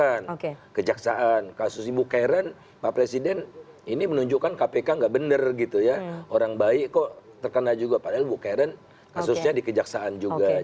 dan pasal itu juga kejaksaan kasus ibu karen pak presiden ini menunjukkan kpk gak benar gitu ya orang baik kok terkena juga padahal ibu karen kasusnya dikejaksaan juga oke